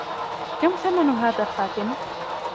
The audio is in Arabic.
كم ثمن هذا الخاتم؟